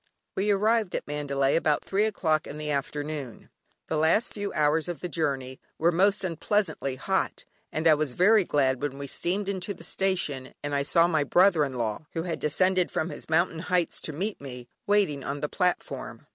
We arrived at Mandalay about three o'clock in the afternoon. The last few hours of the journey were most unpleasantly hot, and I was very glad when we steamed into the station, and I saw my brother in law (who had descended from his "mountain heights" to meet me) waiting on the platform.